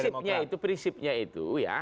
prinsipnya itu prinsipnya itu ya